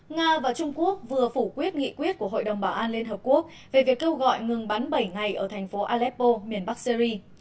nga và trung quốc vừa phủ quyết nghị quyết của hội đồng bảo an liên hợp quốc về việc kêu gọi ngừng bắn bảy ngày ở thành phố aleppo miền bắc syri